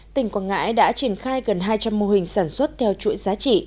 tỉnh quảng ngãi đã triển khai gần hai trăm linh mô hình sản xuất theo chuỗi giá trị